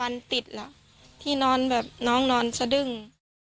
๓วันติดแล้วที่นอนแบบน้องนอนสดึง